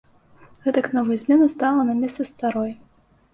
Гэтак новая змена стала на месца старой.